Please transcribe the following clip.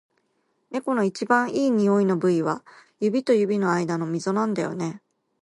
猫の一番いい匂いの部位は、指と指の間のみぞなんだよね。